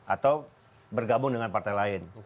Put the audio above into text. atau bergabung dengan partai lain